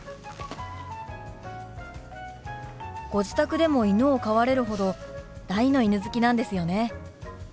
ご自宅でも犬を飼われるほど大の犬好きなんですよね。